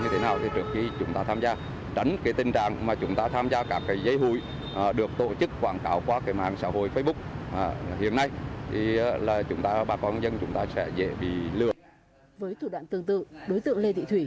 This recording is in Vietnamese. với thủ đoạn tương tự đối tượng lê thị thủy